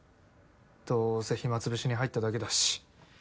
どうせ暇つぶしに入っただけだし。